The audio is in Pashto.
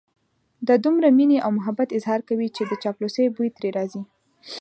د دومره مينې او محبت اظهار کوي چې د چاپلوسۍ بوی ترې راځي.